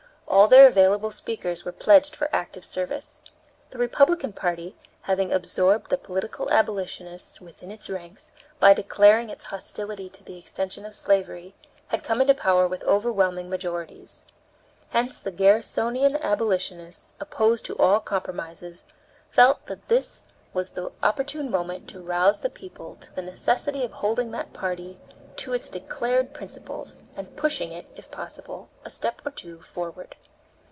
All their available speakers were pledged for active service. The Republican party, having absorbed the political abolitionists within its ranks by its declared hostility to the extension of slavery, had come into power with overwhelming majorities. Hence the Garrisonian abolitionists, opposed to all compromises, felt that this was the opportune moment to rouse the people to the necessity of holding that party to its declared principles, and pushing it, if possible, a step or two forward.